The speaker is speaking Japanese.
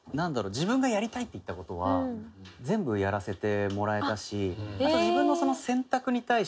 自分がやりたいって言った事は全部やらせてもらえたし。